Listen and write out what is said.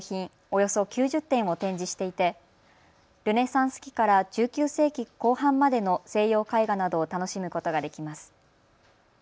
およそ９０点を展示していてルネサンス期から１９世紀後半までの西洋絵画などを楽しむことができます。